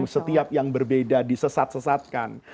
setiap yang berbeda disesat sesatkan